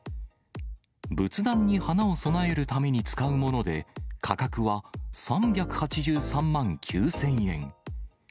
仏壇に花を供えるために使うもので、価格は３８３万９０００円。